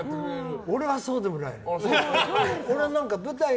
俺はそうでもないの。